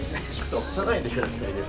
押さないでくださいよ。